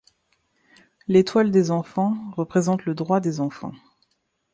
L'étoile des enfants représente les droits des enfants.